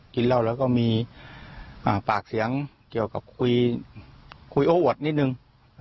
กินเหล้าแล้วก็มีปากเสียงเกี่ยวกับคุยโอ้อวดนิดนึง